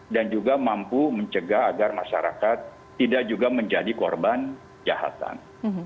dan juga mampu mencegah agar masyarakat tidak juga menjadi korban jahatan